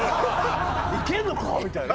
「いけるのか！？」みたいな。